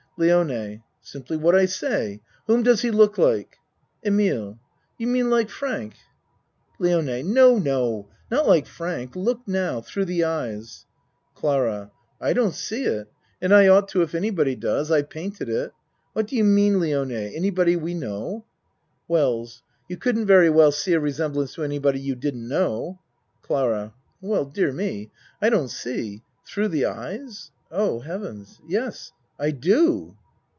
LIONE Simply what I say. Whom does he look like? EMILE You mean like Frank? LIONE No, no. Not like Frank. Look now thro' the eyes. CLARA I don't see it and I ought to if any body does I painted it. What do you mean, Lione, anybody we know? WELLS You couldn't very well see a resem blance to anybody you didn't know. CLARA Well, dear me. I don't see thro' the eyes Oh, Heaven's yes I do.